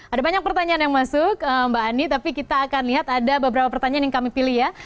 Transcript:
ada banyak pertanyaan yang masuk mbak ani tapi kita akan lihat ada beberapa pertanyaan yang kami pilih ya